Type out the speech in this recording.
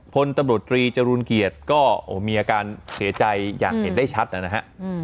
พลตำรวจตรีจรูลเกียรติก็มีอาการเสียใจอย่างเห็นได้ชัดนะฮะ